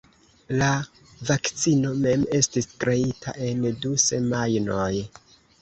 La vakcino mem estis kreita en du semajnoj.